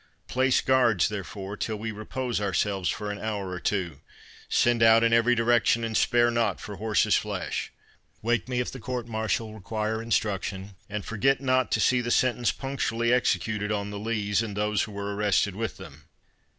Place guards, therefore, till we repose ourselves for an hour or two. Send out in every direction, and spare not for horses' flesh. Wake me if the court martial require instruction, and forget not to see the sentence punctually executed on the Lees, and those who were arrested with them."